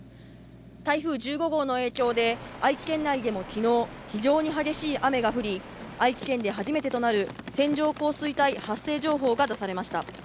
台風１５号の影響で愛知県内でも昨日非常に激しい雨が降り、愛知県で初めてとなる線状降水帯発生情報が出されました。